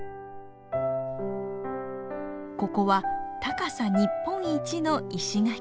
ここは高さ日本一の石垣。